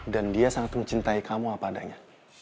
dan dia sangat mencintai kamu apa adanya